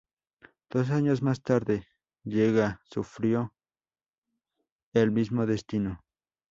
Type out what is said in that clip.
Dos años más tarde, Lieja sufrió el mismo destino.